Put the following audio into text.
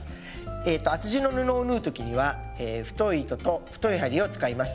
えと厚地の布を縫う時には太い糸と太い針を使います。